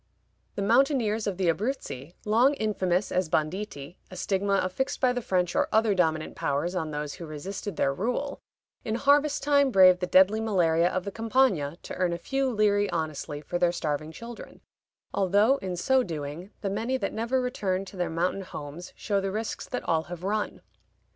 The mountaineers of the Abruzzi, long infamous as banditti (a stigma affixed by the French or other dominant powers on those who resisted their rule), in harvest time brave the deadly malaria of the Campagna to earn a few liri honestly for their starving children, although in so doing the many that never return to their mountain homes show the risks that all have run.